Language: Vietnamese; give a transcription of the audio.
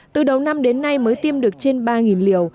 từ đầu năm đến nay mới tiêm được trên ba liều